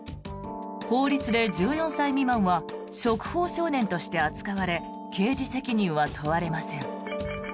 法律で１４歳未満は触法少年として扱われ刑事責任は問われません。